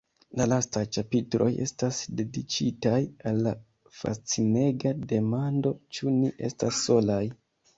La lastaj ĉapitroj estas dediĉitaj al la fascinega demando: “Ĉu ni estas solaj?